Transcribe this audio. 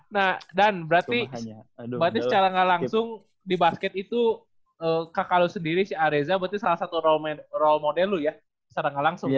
nah dan berarti secara gak langsung di basket itu kak kalau sendiri sih areza berarti salah satu role model lu ya secara gak langsung ya